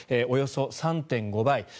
およそ３．５倍。